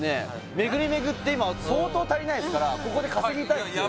巡り巡って今相当足りないですからここで稼ぎたいですよね